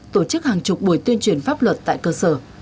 tổ chức hàng chục buổi tuyên truyền pháp luật tại cơ sở